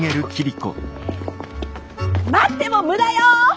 待っても無駄よ！